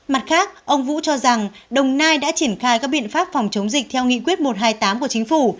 mặt khác ông vũ cho rằng đồng nai đã triển khai các biện pháp phòng chống dịch theo nghị quyết một trăm hai mươi tám của chính phủ